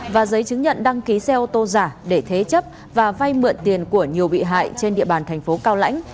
và giấy chứng nhận đăng ký xe ô tô giả để thế chấp và vay mượn tiền của nhiều bị hại trên địa bàn thành phố cao lãnh